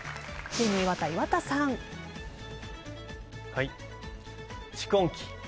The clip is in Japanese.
はい。